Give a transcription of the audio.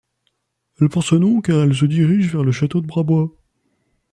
Elle porte ce nom car elle se dirige vers le château de Brabois.